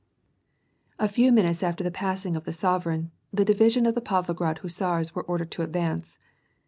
A few minutes after the passing of the sovereign, the divis ion of the Pavlogi'ad hussars were ordered to advance.